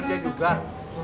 kita temenan udah lama